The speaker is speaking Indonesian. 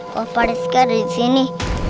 kalau parizki ada di sini